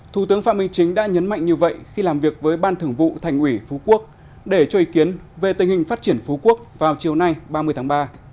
thủ tướng phạm minh chính đã nhấn mạnh như vậy khi làm việc với ban thưởng vụ thành ủy phú quốc để cho ý kiến về tình hình phát triển phú quốc vào chiều nay ba mươi tháng ba